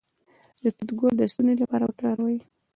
د توت ګل د ستوني لپاره وکاروئ